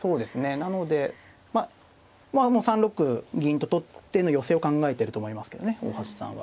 なのでまあ３六銀と取っての寄せを考えてると思いますけどね大橋さんは。